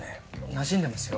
なじんでますよ